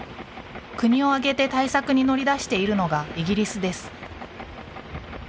国を挙げて対策に乗り出しているのがイギリスです。